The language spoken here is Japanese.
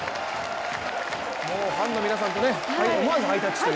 ファンの皆さんと思わずハイタッチですね。